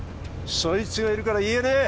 そいつがいるから言えねえ！